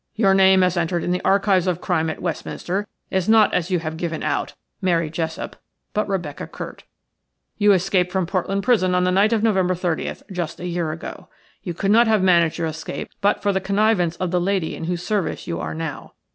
Your name as entered in the archives of crime at Westminster is not as you have given out, Mary Jessop, but Rebecca Curt. You escaped from Portland prison on the night of November 30th, just a year ago. You could not have managed your escape but for the connivance of the lady in whose service you are now.